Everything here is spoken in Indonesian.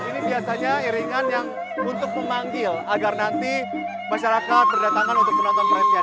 ini biasanya iringan yang untuk memanggil agar nanti masyarakat berdatangan untuk menonton presiden